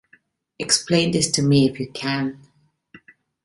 Explain this to me! if you can.